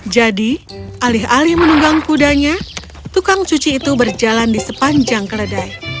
jadi alih alih menunggang kudanya tukang cuci itu berjalan di sepanjang keledai